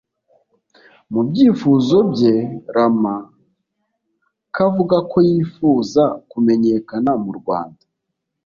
Mu byifuzo bye Rama K avuga ko yifuza kumenyekana mu Rwanda